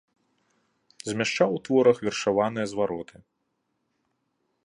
Змяшчаў у творах вершаваныя звароты.